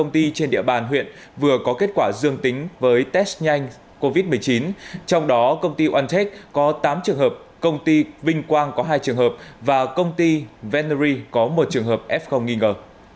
công ty trên địa bàn huyện vừa có kết quả dương tính với test nhanh covid một mươi chín trong đó công ty ăntech có tám trường hợp công ty vinh quang có hai trường hợp và công ty venury có một trường hợp f nghi ngờ